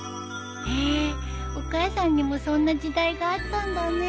へえお母さんにもそんな時代があったんだね。